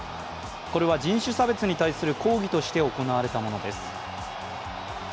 これは人種差別に対する抗議として行われたものです。